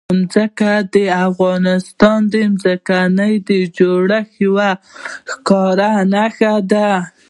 ځمکه د افغانستان د ځمکې د جوړښت یوه ښکاره نښه ده.